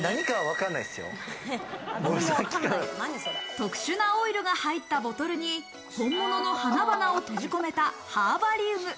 特殊なオイルが入ったボトルに本物の花々を閉じ込めたハーバリウム。